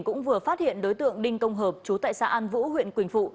cũng vừa phát hiện đối tượng đinh công hợp chú tại xã an vũ huyện quỳnh phụ